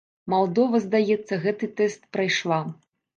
Малдова, здаецца, гэты тэст прайшла.